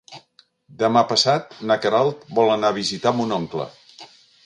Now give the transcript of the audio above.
Demà passat na Queralt vol anar a visitar mon oncle.